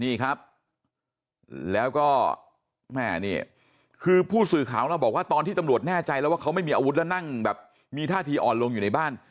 นี่ครับแล้วก็แม่นี่คือผู้สื่อข่าวเราบอกว่าตอนที่ตำรวจแน่ใจแล้วว่าเขาไม่มีอาวุธแล้วนั่งแบบมีท่าทีอ่อนลงอยู่ในบ้าน